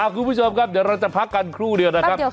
คุณผู้ชมครับเดี๋ยวเราจะพักกันครู่เดียวนะครับ